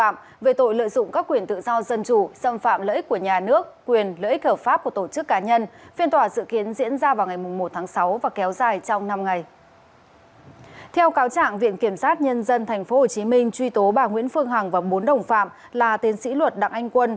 mình truy tố bà nguyễn phương hằng và bốn đồng phạm là tên sĩ luật đặng anh quân